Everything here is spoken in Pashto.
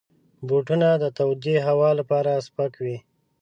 بوټونه د تودې هوا لپاره سپک وي.